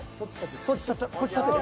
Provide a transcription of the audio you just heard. こっち立てる？